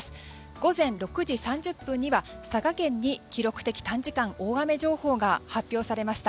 午前６時３０分には佐賀県に記録的短時間大雨情報が発表されました。